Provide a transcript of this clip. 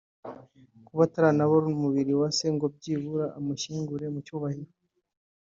Kuba ataranabona umubiri wa se ngo byibura amushyingure mu cyubahiro